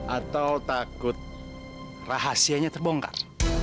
atau takut rahasianya terbongkar